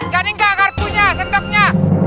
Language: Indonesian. jadi nggak kartunya sendoknya